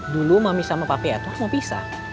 dulu mami sama pape atwar mau pisah